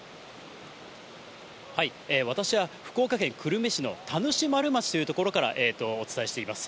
私は、福岡県久留米市の田主丸町という所からお伝えしています。